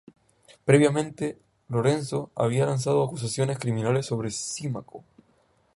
Previamente, Lorenzo había lanzado acusaciones criminales sobre Símaco.